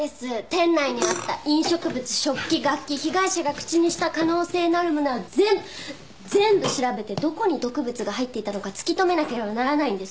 店内にあった飲食物食器楽器被害者が口にした可能性のあるものは全部全部調べてどこに毒物が入っていたのか突き止めなければならないんです。